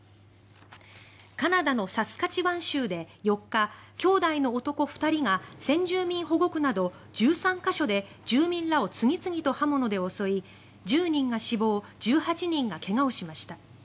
カナダのサスカチワン州で４日兄弟の男２人が先住民保護区など１３か所で住民らを刃物で次々と襲い１０人が死亡１８人が怪我をしました。